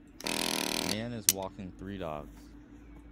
Man is walking three dogs